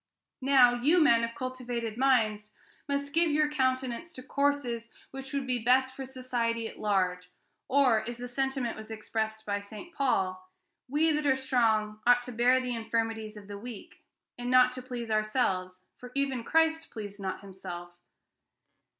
Now, you men of cultivated minds must give your countenance to courses which would be best for society at large, or, as the sentiment was expressed by St. Paul, 'We that are strong ought to bear the infirmities of the weak, and not to please ourselves, for even Christ pleased not himself.'